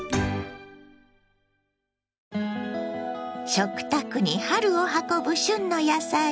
食卓に春を運ぶ旬の野菜。